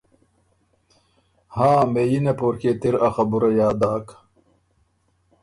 هاں مهئينه پورکيې ت اِر ا خبُره یاد داک۔